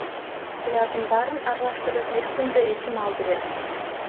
Булардын баарын аралаштырып, бир күндө эки маал берет.